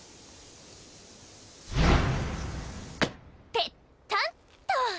ペッタンと！